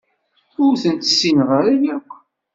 Ur tent-ssineɣ ara akk.